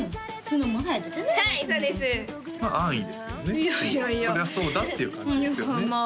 そりゃそうだっていう感じですよね